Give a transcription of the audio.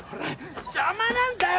邪魔なんだよ！